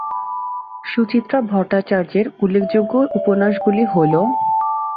সুচিত্রা ভট্টাচার্যের উল্লেখযোগ্য উপন্যাসগুলি হল-